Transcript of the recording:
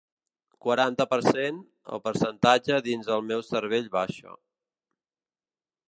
Quaranta per cent El percentatge dins el meu cervell baixa.